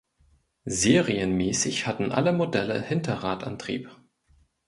Serienmäßig hatten alle Modelle Hinterradantrieb.